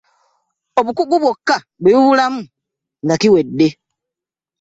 Obukugu bwokka bwe bubulamu nga kiwedde.